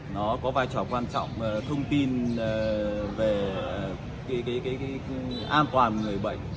nó có vai trò quan trọng thông tin về cái an toàn người bệnh